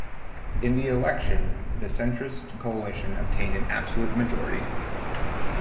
In the election the centrist coalition obtained an absolute majority.